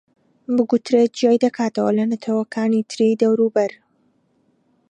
بگوترێت جیای دەکاتەوە لە نەتەوەکانی تری دەوروبەر